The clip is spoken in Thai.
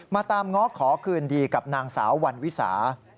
ตามง้อขอคืนดีกับนางสาววันวิสา